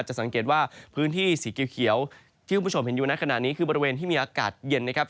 จะสังเกตว่าพื้นที่สีเขียวที่คุณผู้ชมเห็นอยู่ในขณะนี้คือบริเวณที่มีอากาศเย็นนะครับ